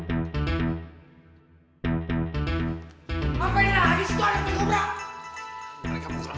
kita lawan aja semua langsung